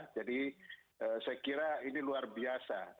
jadi saya kira ini luar biasa